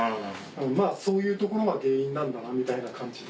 そういうところが原因なんだなみたいな感じで。